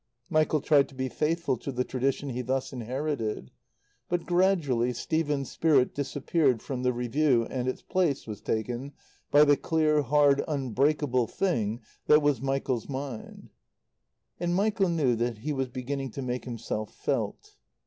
Michael tried to be faithful to the tradition he thus inherited; but gradually Stephen's spirit disappeared from the Review and its place was taken by the clear, hard, unbreakable thing that was Michael's mind. And Michael knew that he was beginning to make himself felt.